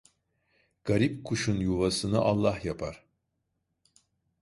Garip kuşun yuvasını Allah yapar.